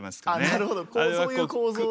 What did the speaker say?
なるほどそういう構造で。